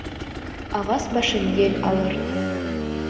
Ағас башын ел алыр